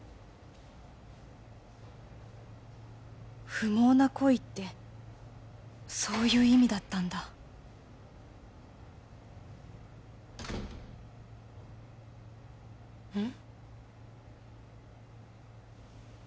不毛な恋ってそういう意味だったんだうん？